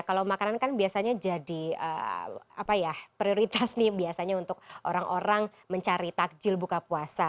kalau makanan kan biasanya jadi prioritas nih biasanya untuk orang orang mencari takjil buka puasa